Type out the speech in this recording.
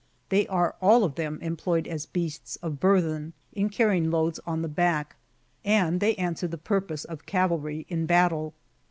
^' They are all of them employed as beasts of burthen, in carrying loads on the back, and they answer the purpose of cavalry in battle.